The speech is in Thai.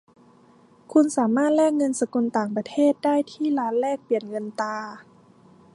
คุณสามารถแลกเงินสกุลต่างประเทศได้ที่ร้านแลกเปลี่ยนเงินตรา